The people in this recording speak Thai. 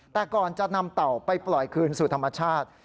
แต่ก่อนจะนำเต่าไปปล่อยคืนสู่ธรรมชาติ